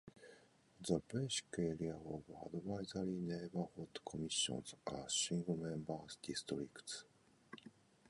The basic area of Advisory Neighborhood Commissions are Single Member Districts.